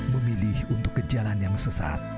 memilih untuk kejalanan yang sesat